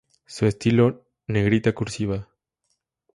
Su estilo: negrita, cursiva.